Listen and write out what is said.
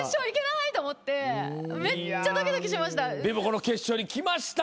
めっちゃドキドキしました。